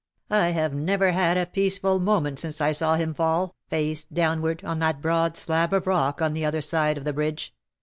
I have never had a peaceful moment since I saw him fall, face downward, on that broad slab of rock on the other side of the bridge.